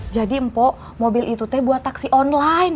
jadi mpo mobil itu teh buat taksi online